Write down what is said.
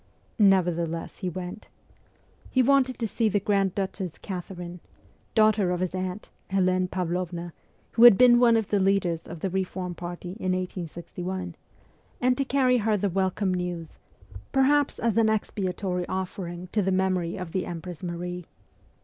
Nevertheless, he went. He wanted to see the Grand Duchess Catherine (daughter of his aunt, Helene Pavlovna, who had been one of the leaders of the reform party in 1861), and to carry her the welcome news, perhaps as an expiatory offering to the memory of the Empress Marie.